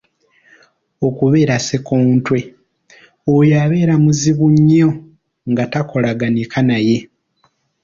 Okubeera Ssenkotwe; oyo abeera muzibu nnyo nga takolaganika naye.